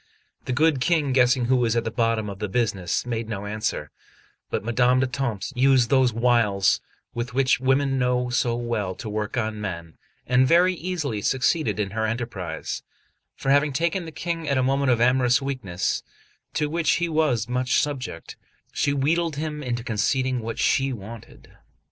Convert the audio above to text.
The good King, guessing who was at the bottom of the business, made no answer; but Madame d'Etampes used those wiles with which women know so well to work on men, and very easily succeeded in her enterprise; for having taken the King at a moment of amorous weakness, to which he was much subject, she wheedled him into conceding what she wanted.